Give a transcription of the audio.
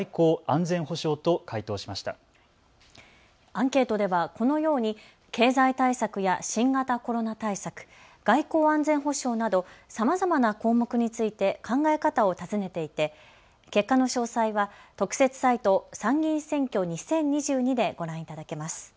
アンケートでは、このように経済対策や新型コロナ対策、外交・安全保障などさまざまな項目について考え方を尋ねていて結果の詳細は特設サイト、参議院選挙２０２２でご覧いただけます。